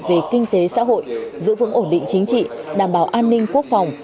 về kinh tế xã hội giữ vững ổn định chính trị đảm bảo an ninh quốc phòng